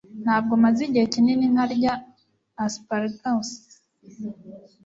Ntabwo maze igihe kinini ntarya asparagus.